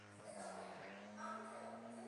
Wong fue criado en una familia de clase media.